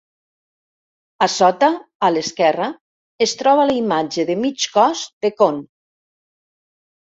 A sota, a l"esquerra, es troba la imatge de mig cos de Kon.